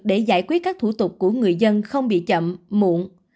để giải quyết các thủ tục của người dân không bị chậm muộn